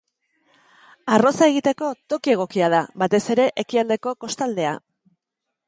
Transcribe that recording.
Arroza egiteko toki egokia da, batez ere ekialdeko kostaldea.